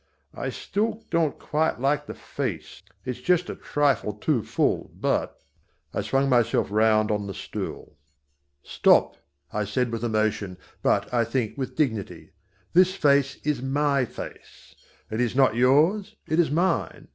I still don't quite like the face, it's just a trifle too full, but " I swung myself round on the stool. "Stop," I said with emotion but, I think, with dignity. "This face is my face. It is not yours, it is mine.